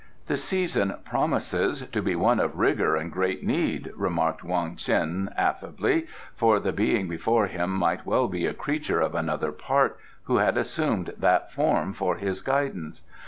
"The season promises to be one of rigour and great need," remarked Wong Ts'in affably, for the being before him might well be a creature of another part who had assumed that form for his guidance.